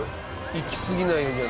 いきすぎないように。